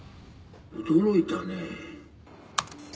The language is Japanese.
驚いたねえ。